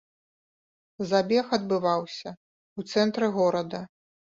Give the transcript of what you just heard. Забег адбываўся ў цэнтры горада.